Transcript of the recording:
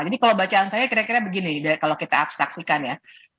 jadi kalau bacaan saya kira kira begini kalau kita abstraksikan ya